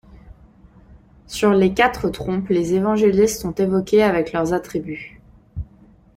Sur les quatre trompes, les évangélistes sont évoqués avec leurs attributs.